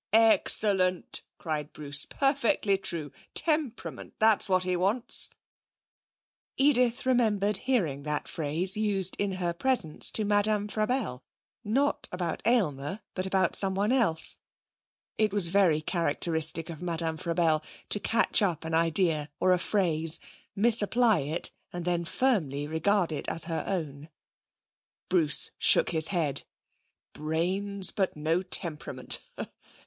'Excellent!' cried Bruce. 'Perfectly true. Temperament! That's what he wants!' Edith remembered hearing that phrase used in her presence to Madame Frabelle not about Aylmer, but about someone else. It was very characteristic of Madame Frabelle to catch up an idea or a phrase, misapply it, and then firmly regard it as her own. Bruce shook his head. 'Brains, but no temperament!